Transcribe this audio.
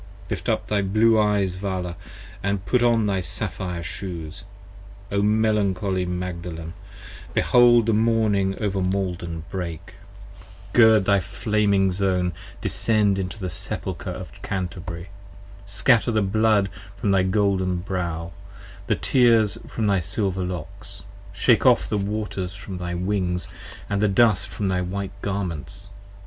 Lift up thy blue eyes Vala & put on thy sapphire shoes: O melancholy Magdalen, behold the morning over Maiden break! 76 Gird on thy flaming zone, descend into the sepulcher of Canterbury. 40 Scatter the blood from thy golden brow, the tears from thy silver locks: Shake ofF the waters from thy wings, & the dust from thy white garments.